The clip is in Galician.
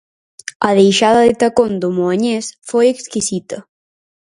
A deixada de tacón do moañés foi exquisita.